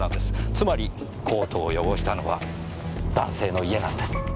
つまりコートを汚したのは男性の家なんです。